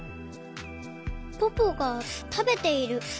ポポがたべている。